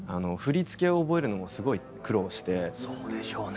そうでしょうね。